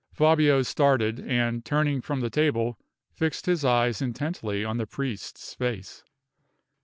Fabio started, and, turning from the table, fixed his eyes intently on the priest's face.